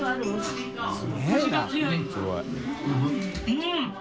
うん！